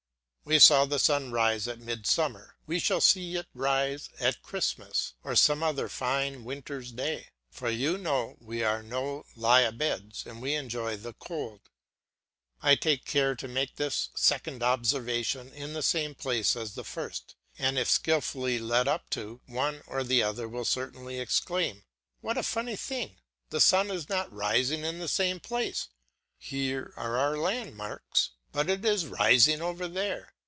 We saw the sun rise at midsummer, we shall see it rise at Christmas or some other fine winter's day; for you know we are no lie a beds and we enjoy the cold. I take care to make this second observation in the same place as the first, and if skilfully lead up to, one or other will certainly exclaim, "What a funny thing! The sun is not rising in the same place; here are our landmarks, but it is rising over there.